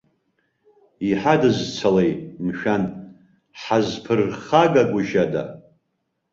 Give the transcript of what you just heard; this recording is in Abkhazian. Иҳадызцалазеи, мшәан, ҳазԥырхагагәышьада?